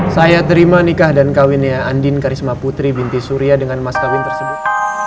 saya terima nikah dan kawinnya andin karisma putri binti surya dengan mas kawin tersebut